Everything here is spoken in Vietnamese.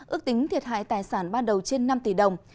ước tính thiệt hại tài sản ban đầu trên năm tỷ đồng